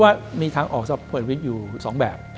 ผมว่ามีทางออกสำหรับพวกเหตุวิทยุสองแบบ